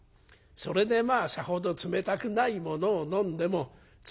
それでまあさほど冷たくないものを飲んでも冷たく感じたのだな」。